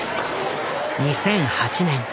２００８年。